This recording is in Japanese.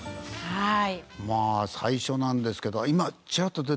はい。